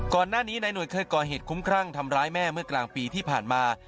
ก่อนหน้านี้นายหน่วยเคยก่อเหตุคุ้มครั่งทำร้ายแม่เมื่อกลางปีที่ผ่านมา